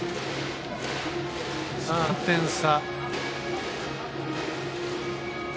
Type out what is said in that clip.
３点差。